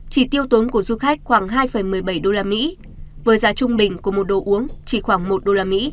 chỉ tiêu tốn của du khách khoảng hai một mươi bảy usd với giá trung bình của một đồ uống chỉ khoảng một usd